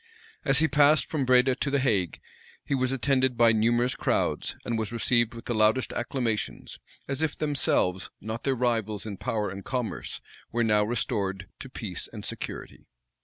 As he passed from Breda to the Hague, he was attended by numerous crowds, and was received with the loudest acclamations; as if themselves, not their rivals in power and commerce, were now restored to peace and security.